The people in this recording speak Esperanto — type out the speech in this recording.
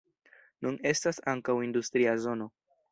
Nun estas ankaŭ industria zono.